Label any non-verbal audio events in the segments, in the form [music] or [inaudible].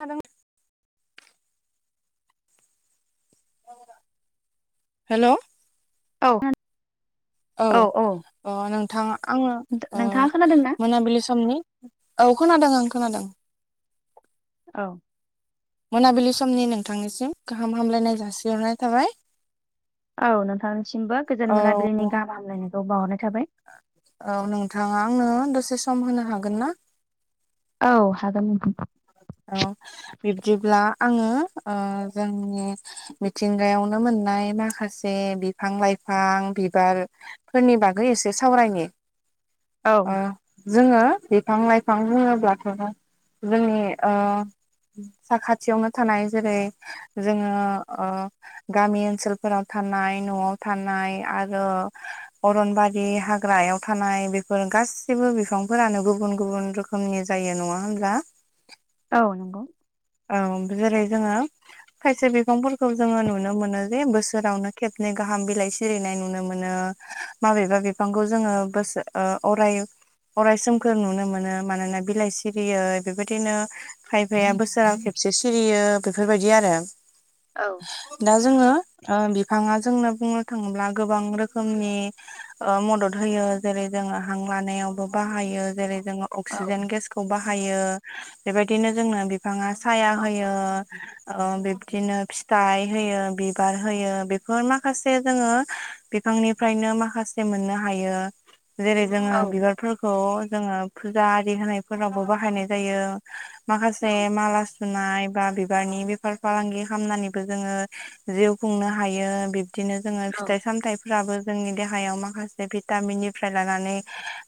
आं हेल' औ। औ नोंथाङा आङो नोंथाङा खोनादों ना मोनाबिलि समनि। औ खोनादों ओं खोनादों औ। मोनाबिलि समनि नोंथांनिसिम गाहाम हामलायनाय जासिहरनाय थाबाय। औ नोंथांनिसिमबो गोजोन औ मोन बिलिनि गाहाम हामलायनायखौ बावहरनाय थाबाय। औ नोंथाङा आंनो दसे सम होनो हागोन ना। औ हागोन न औ बिब्दिब्ला आङो जोंनि। मिथिंगायावनो मोननाय माखासे बिफां लाइफां बिबार। फोरनि बागै एसे सावरायनो औ जोङो बिफां लाइफां बुङोब्लाथ' जोंनि साखाथियावनो थानाय जेरै जोङो ओ गामि ओनसोलफोराव थानाय न'आव थानाय आरो। अरनबारि हाग्रायाव थानाय बेफोर गासिबो बिफांफोरानो गुबुन गुबुन रोखोम। रोखोमनि जायो नङा होमब्ला? औ नंगौ। औ जेरै जोङो। खायसे बिफांफोरखौ जोङो नुनो मोनो जे बोसोरावनो खेबनै गाहाम बिलाइ सिरिनाय नुनो मोनो। माबेबा बिफांखौ जोङो बोसो ओ अराय अरायसोमखौ नुनो मोनो मानोना बिलाइ सिरियै बेबायदिनो फायफाया बोसोर। ब सोरोरां खेबसे सिरियो बेफोरबायदि आरो। औ। दा जोङो बिफाङा जोंनो बुंनो थाङोब्ला गोबां रोखोमनि। ओ मदद होयो जेरै जोङो हां लानायावबो बाहायो जेरै जोङो। औ अक्सिजेन गेसखौ बाहायो बेबायदिनो जोंनो बिफाङा साया होयो। ओ बिब्दिनो फिथाइ होयो बिबार होयो बेफोर माखासे जोङो। बिफांनिफ्रायनो माखासे मोननो हायो जेरै जोङो औ बिबारफोरखौ। खौ जोङो फुजा आरि होनायफोरावबो बाहायनाय जायो माखासे। माला सुनाय बा बिबारनि बेफार फालांगि खालामामनानैबो जोङो। जिउ खुंनो हायो बिबदिनो जोङो औ फिथाइ सामथायफोर फोराबो जोंनि देहायाव माखासे भिटामिननिफ्राय लानानै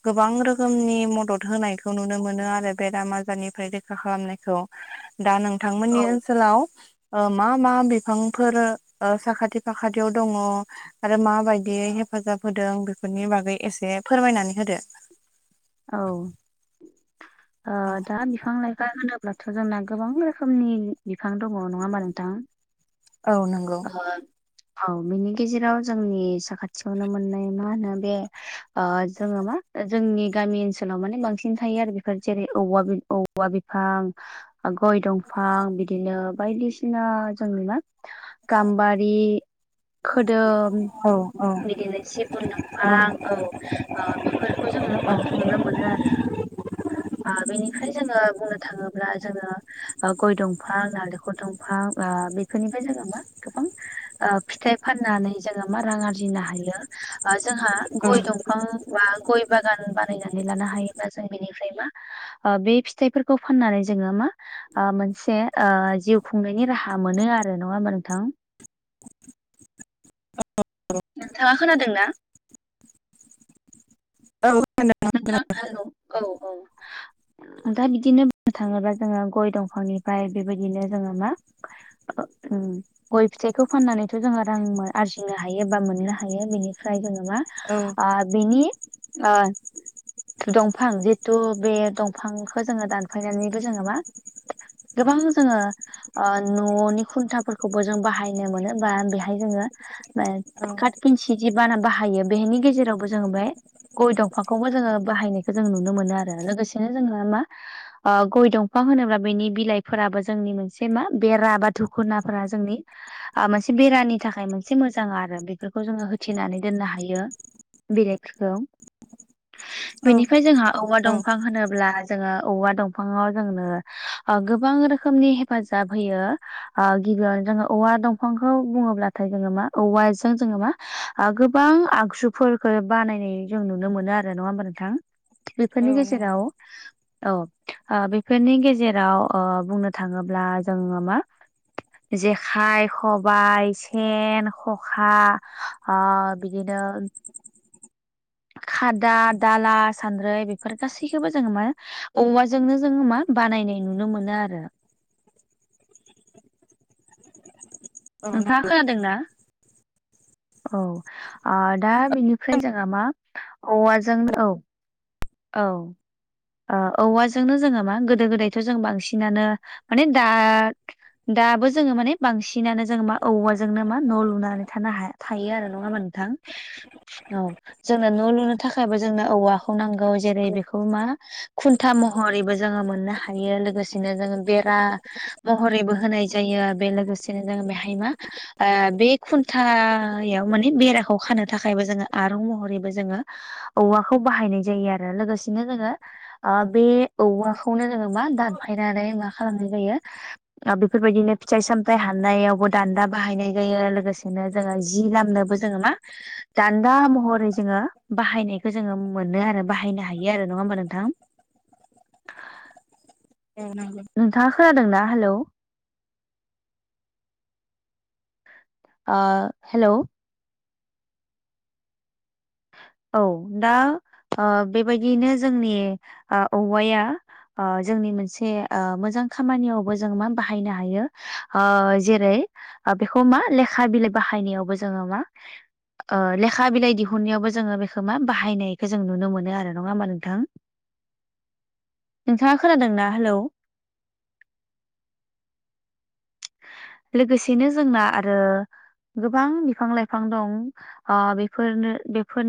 गोबां रोखोमनि मदद होनाय। खौ नुनो मोनो आरो बेराम आजारनिफ्राय रैखा खालामनाय खौ दा औ नोंथांमोननि ओनसोलाव ओ मा मा बिफांफोर साखाथि फाखाथियाव दङ? आरो माबायदियै हेफाजाब होदों बेफोरनि बागै एसे फोरमायनानै होदो। औ ओ दा बिफां लाइफां ओ होनोब्लाथ' जोंना गोबां रोखोमनि बिफां दङ नङा होनबा नोंथां। औ नंगौ। ओ औ बिनि गेजेराव जोंनि साखाथियावनो मोननाय मा होनो बे ओ जोङो मा जोंनि गामि ओनसोलाव माने बांसिन थायो आरो बेफोर जेरै औवा बिफां। गय दंफां बिदिनो बायदिसिना जोंनि मा गाम्बारि खोदोम औ औ। बिदिनो सिगुन दंफां औ बेफोरखौ ओ जोङो मा नुनो मोनो आरो। ओ बेनिफ्राय जोङो बुंनो थाङोब्ला जोङो गय दंफां नालेंखर दंफां ओ बे बेनिफ्राय जोङो मा गोबां ओ फिथाइ फाननानै जोङो मा रां आरजिनो हायो ओ जोंहा गय औ दंफां बा गय बागान बा नानै लानो हायोबा जों बेनिफ्राय मा ओ बे फिथाइफोरखौ फाननानै जोङो मा ओ मोनसे ओ जिउ खुंनायनि राहा मोनो आरो नङा नोंथां औ नोंथाङा खोनादों ना? औ [unintelligible] नोंथां हेल' औ औ दा बिदिनो बुंनो थाङोब्ला जोङो गय दंफांनिफ्राय बेबायदिनो जोङो मा उम गय फिथाइखौ फाननानैथ' जोङो रां आरजिनो हायो बा मोननो हायो बेनिफ्राय जोङो मा आ बेनि आ दंफां जिथु बे दंफांखौ जोङो दानफायनानैबो जोङो मा गोबां जोङो अ न'नि खुन्थाफोरखौबो जों बाहायनो मोनो बा बेहाय जोङो काट पिन्सि जि बाना बाहायो बेनि गेजेरावबो जोङो बे गय दं अफाखौबो जोङो बाहायनायखौ जों नुनो मोनो आरो लोगोसेनो जोंना मा गय दंफां होनोब्ला बेनि बिलाइफोराबो जोंनि मोनसे मा बेरा बा दुखुनाफोरा जोंनि मोनसे बेरानि थाखाय मोनसे मोजां आरो बेफोरखौ जोङो होथनानै दोननो हायो बिलाइफोरखौ बेनिफ्राय जोंहा औवा दंफां होनोब्ला जोङो औवा दंफाङाव जोंनो गोबां रोखोमनि हेफाजाब होयो गिबियावनो जोङो औवा दंफांखौ बुङोब्लाथाय जोङो मा औवाजों जोङो मा ओ गोबां आगजुफोरफोरखौ बानायनाय जों नु नो मोनो आरो नङा हबा नोंथां बेफोरनि नंगौ गेजेराव औ ओ बेफोरनि गेजेराव ओ बुंनो थाङोब्ला जोङो मा जेखाइ खबाइ सेन खखा ओ बिदिनो खादा दाला सान्द्रै बेफोर गासैखौबो जोङो मा औवाजोंनो जोङो मा बानायनाय नुनो मोनो आरो औ नोंथाङा खोनादों ना? औ दा बेनिफ्राय जोंहा मा औवाजोंनो औ औ औवाजोंनो जोङो मा गोदो गोदायथ' जों बांसिनानो माने दा दाबो जोङो माने बांसिनानो जों मा औवाजोंनो मा न' लुनानै थानो हाया थायो आरो नङा होमबा नोंथां औ जोंनो न' लुनो थाखायबो जोंनो औवाखौ नांगौ जेरै बेखौ मा खुन्था महर रै जोङो मोननो हायो लोगोसेनो जो बेरा महरैबो होनाय जायो बे लोगोसे जेन जोङो बेहाय मा बे खुन्थायाव माने बेराखौ खानो थाखायबो जोङो आरं महरैबो जोङो औवाखौ बाहायनाय जायो आरो लोगोसेनो जोङो बे औवाखौनो जोङो मा दानफायनानै मा खालामनाय जायो बेफोरबायदिनो फिथाइ सामथाइ हानायावबो दान्दा बाहायनाय जायो लोगोसेनो जोङो जि लामनोबो ज जोङो मा दान्दा महरै जोङो बाहायनायखौ जोङो मोनो आरो बाहायनो हायो आरो नङा होमबा नोंथां [inaudible] नोंथाङा खोनादों ना हेलौ आ हेलौ औ दा बेबायदियैनो जोंनि औवाया जोंनि मोनसे मोजां खामानियावबो जों मा बाहायनो हायो जेरै बेखौ मा लेखा बिलाइ बाहायनायावबो जोङो मा लेखा बिलाइ दिहुनायावबो ज जोङो बेखौ मा बाहायनायखो जों नुनो मोनो आरो नङा होमबा नोंथां नोंथाङा खोनादों ना हेलौ लोगोसेनो जोंना आरो गोबां बिफां लाइफां दं ओ बेफोरनो बेफोर